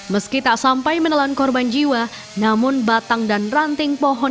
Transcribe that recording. meski tak sampai menelan korban jiwa namun batang dan ranting pohon